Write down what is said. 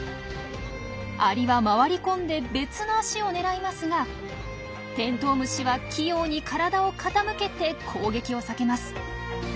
アリは回り込んで別の脚を狙いますがテントウムシは器用に体を傾けて攻撃を避けます。